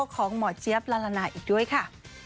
ของหมอเจี๊ยบลาลานาอีกด้วยค่ะ